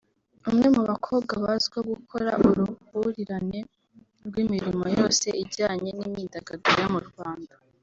umwe mu bakobwa bazwiho gukora uruhurirane rw’imirimo yose ijyanye n’imyidagaduro yo mu Rwanda